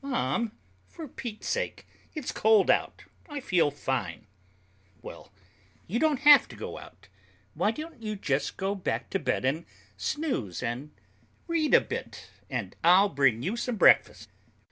"Mom, for Pete's sake, it's COLD out! I feel fine." "Well, you don't have to go out. Why don't you just go back to bed and snooze and read a bit, and I'll bring you some breakfast."